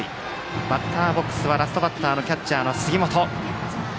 バッターボックスはラストバッターのキャッチャーの杉本。